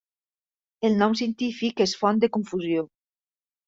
El nom científic és font de confusió.